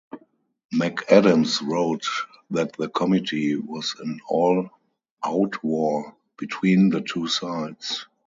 McAdams wrote that the committee was "an all-out war" between the two sides.